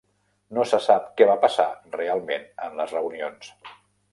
No se sap què va passar realment en les reunions.